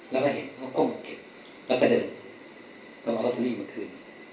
แล้วได้เห็นเขากล้องเข้ามาเก็บแล้วก็เดินแล้วเอาลอตเตอรี่มาคืน